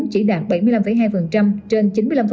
chỉ đạt bảy mươi năm hai trên chín mươi năm